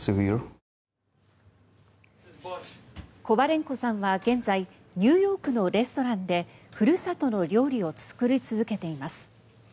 コバレンコさんは現在ニューヨークのレストランでふるさとの料理を作り続けています。